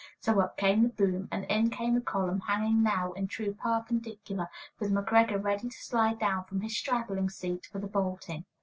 So up came the boom, and in came the column, hanging now in true perpendicular, with McGreggor ready to slide down from his straddling seat for the bolting.